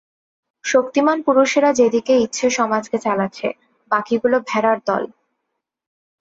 শক্তিমান পুরুষেরা যে দিকে ইচ্ছে সমাজকে চালাচ্ছে, বাকীগুলো ভেড়ার দল।